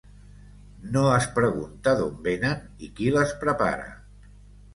No es pregunta d'on venen i qui les prepara.